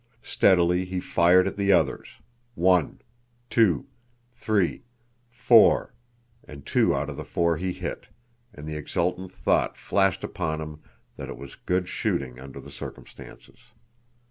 Steadily he fired at the others—one, two, three, four—and two out of the four he hit, and the exultant thought flashed upon him that it was good shooting under the circumstances.